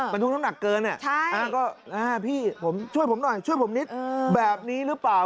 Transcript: บรรทุกน้ำหนักเกินก็พี่ผมช่วยผมหน่อยช่วยผมนิดแบบนี้หรือเปล่า